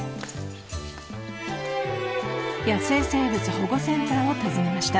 ［野生生物保護センターを訪ねました］